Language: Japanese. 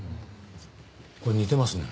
これ似てますね。